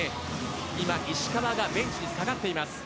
石川が今、ベンチに下がっています。